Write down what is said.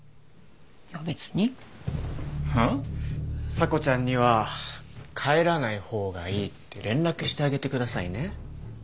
査子ちゃんには帰らない方がいいって連絡してあげてくださいね。